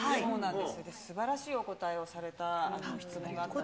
で、すばらしいお答えをされた質問があったのが。